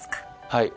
はい。